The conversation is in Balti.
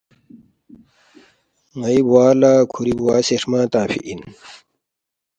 ن٘ئی بوا لہ کھُوری بوا سی ہرمنگ تنگفی اِن